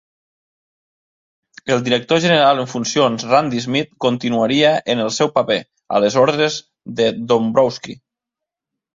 El director general en funcions Randy Smith continuaria en el seu paper, a les ordres de Dombrowski.